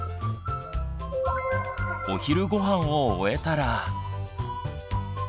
お昼ご飯を終えたら。